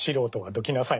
どきなさい。